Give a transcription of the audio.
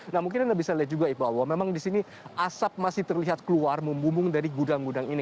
nah mungkin anda bisa lihat juga iqbal bahwa memang di sini asap masih terlihat keluar membumbung dari gudang gudang ini